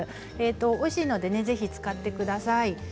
おいしいのでぜひ使ってください。